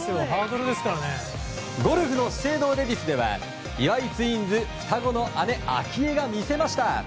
ゴルフの資生堂レディスでは岩井ツインズ双子の姉明愛が見せました。